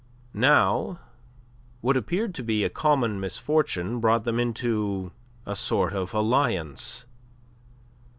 Now, what appeared to be a common misfortune brought them into a sort of alliance.